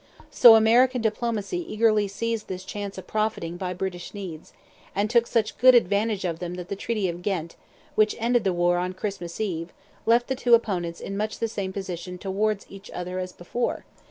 So American diplomacy eagerly seized this chance of profiting by British needs, and took such good advantage of them that the Treaty of Ghent, which ended the war on Christmas Eve, left the two opponents in much the same position towards each other as before.